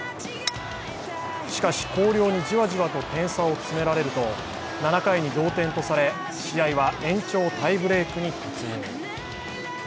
しかし、広陵にじわじわと点差を詰められると、７回に同点とされ、試合は延長タイブレークに突入。